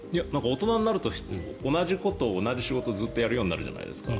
大人になると同じこと、同じ仕事をずっとし続けるじゃないですか。